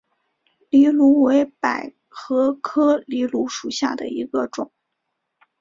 藜芦为百合科藜芦属下的一个种。